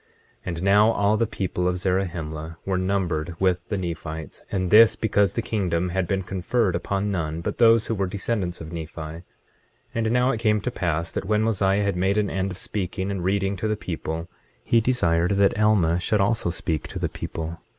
25:13 And now all the people of Zarahemla were numbered with the Nephites, and this because the kingdom had been conferred upon none but those who were descendants of Nephi. 25:14 And now it came to pass that when Mosiah had made an end of speaking and reading to the people, he desired that Alma should also speak to the people.